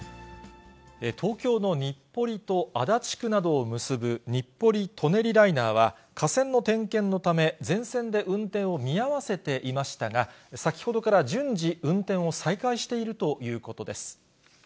東京の日暮里と足立区などを結ぶ日暮里・舎人ライナーは、架線の点検のため、全線で運転を見合わせていましたが、先ほどから順次、運転を再開しているということです。